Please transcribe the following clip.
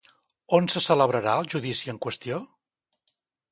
On se celebrarà el judici en qüestió?